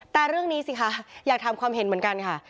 แต่เรื่องนี้สิคะอยากถามความเห็นเหมือนกันค่ะ